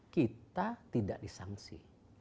kita tidak disangsi